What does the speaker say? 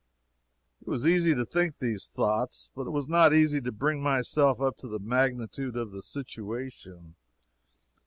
It was easy to think these thoughts. But it was not easy to bring myself up to the magnitude of the situation.